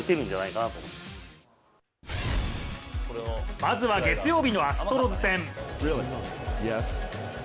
まずは月曜日のアストロズ戦。